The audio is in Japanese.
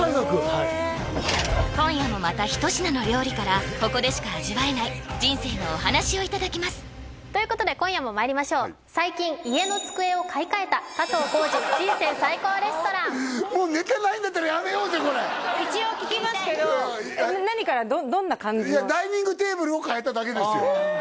はい今夜もまた一品の料理からここでしか味わえない人生のお話をいただきますということで今夜もまいりましょうもうネタないんだったらやめようぜこれ一応聞きますけど何からどんな感じのダイニングテーブルを替えただけですよ